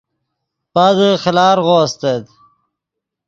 پادے خیلارغو استت